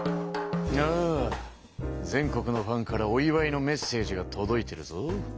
全国のファンからお祝いのメッセージがとどいてるぞ。